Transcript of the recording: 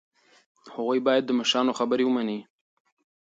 هغوی باید د مشرانو خبره ومني.